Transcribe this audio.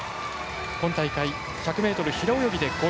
今大会１００ｍ平泳ぎで５位。